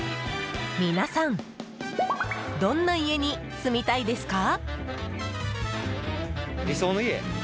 皆さんどんな家に住みたいですか？